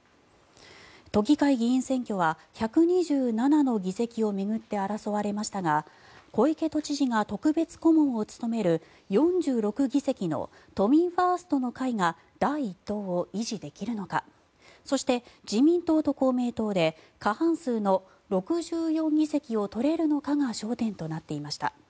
都議会議員選挙は１２７の議席を巡って争われましたが小池都知事が特別顧問を務める４６議席の都民ファーストの会が第１党を維持できるのかそして、自民党と公明党で過半数の６４議席を取れるのかが焦点となっていました。